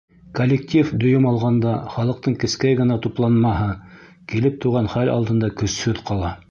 Коллектив, дөйөм алғанда, халыҡтың кескәй генә тупланмаһы, килеп тыуған хәл алдында көсһөҙ ҡала.